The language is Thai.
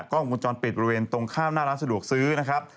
กล้องวงจรปิดบริเวณตรงข้ามหน้าร้านสะดวกซื้อนะครับ